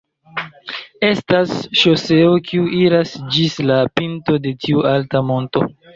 Estas ŝoseo kiu iras ĝis la pinto de tiu alta monto.